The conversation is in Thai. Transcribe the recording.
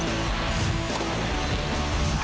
ดิกรีหัวหอกทีมชาติไทย